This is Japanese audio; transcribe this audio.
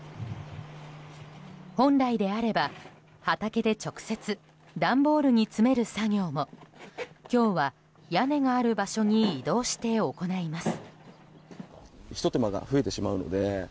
本来であれば畑で直接段ボールに詰める作業も今日は屋根がある場所に移動して行います。